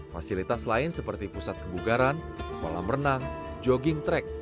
fasilitas lain seperti pusat kebugaran kolam renang jogging track